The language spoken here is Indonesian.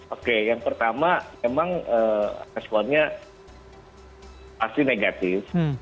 oke yang pertama memang responnya pasti negatif